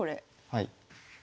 はい。